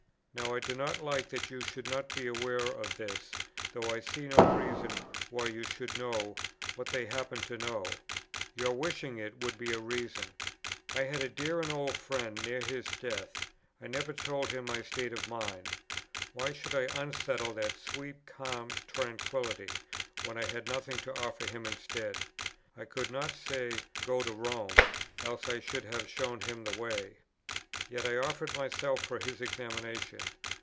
Now I do not like that you should not be aware of this, though I see no reason why you should know what they happen to know. Your wishing it would be a reason." I had a dear and old friend, near his death; I never told him my state of mind. Why should I unsettle that sweet calm tranquillity, when I had nothing to offer him instead? I could not say, "Go to Rome;" else I should have shown him the way. Yet I offered myself for his examination.